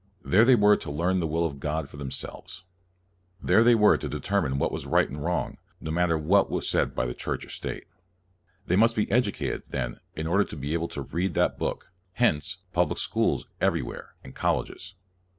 There they were to learn the will of God for themselves. There they were to determine what was right and wrong, no matter what was said by Church or state. They must be educated, then, in order to be able to read that book; hence, public schools everywhere, and colleges.